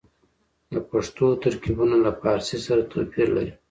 د پښتو ترکيبونه له فارسي سره توپير لري.